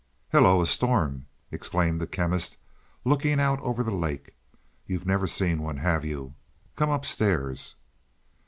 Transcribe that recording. "Hello, a storm!" exclaimed the Chemist, looking out over the lake. "You've never seen one, have you? Come upstairs."